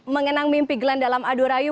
mengenang mimpi glenn dalam adu rayu